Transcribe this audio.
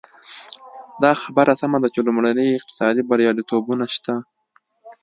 دا خبره سمه ده چې لومړني اقتصادي بریالیتوبونه شته.